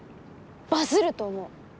バズると思う。